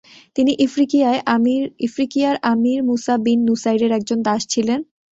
তিনি ইফ্রিকিয়ার Amir Musa bin নুসাইরের একজন দাস ছিলেন।